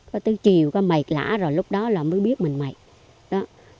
tới chiều có mệt lã rồi lúc đó là mới biết mình mệt